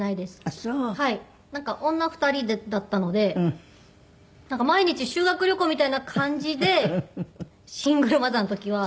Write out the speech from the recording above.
女２人だったので毎日修学旅行みたいな感じでシングルマザーの時は。